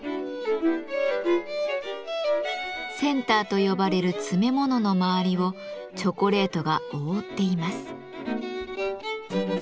「センター」と呼ばれる詰め物のまわりをチョコレートが覆っています。